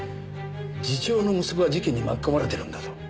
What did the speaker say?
次長の息子が事件に巻き込まれてるんだぞ。